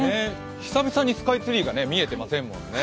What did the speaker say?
久々にスカイツリーが見えてませんもんね。